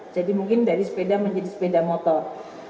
jadi mungkin dari sepeda menjadi sepeda motor